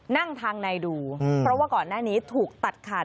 นั่งทางในดูเพราะว่าก่อนหน้านี้ถูกตัดขาด